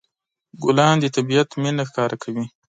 ګلان د طبيعت مینه ښکاره کوي.